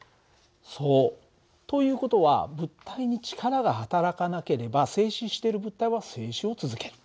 そう。という事は物体に力がはたらかなければ静止している物体は静止を続ける。